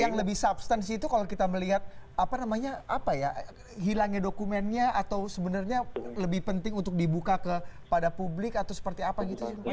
yang lebih substance itu kalau kita melihat apa namanya apa ya hilangnya dokumennya atau sebenarnya lebih penting untuk dibuka kepada publik atau seperti apa gitu